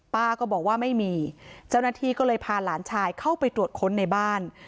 ป้าก็บอกว่าไม่มีเจ้าหน้าที่ก็เลยพาหลานชายเข้าไปตรวจค้นในบ้าน